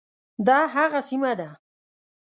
دا هغه سیمه ده.